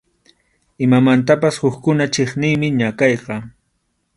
Imamantapas hukkuna chiqniymi ñakayqa.